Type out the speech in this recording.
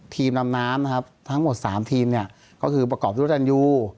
ทีมดำน้ำนะครับทั้งหมด๓ทีมเนี่ยก็คือประกอบด้วยตันยู